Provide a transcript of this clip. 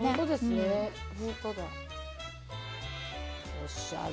おしゃれ。